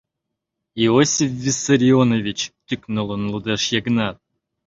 Иосиф Виссарионович! — тӱкнылын лудеш Йыгнат.